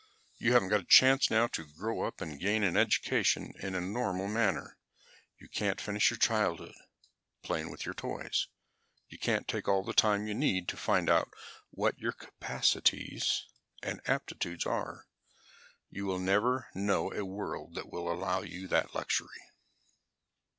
You haven't got a chance now to grow up and gain an education in a normal manner. You can't finish your childhood, playing with your toys. You can't take all the time you need to find out what your capacities and aptitudes are. You will never know a world that will allow you that luxury.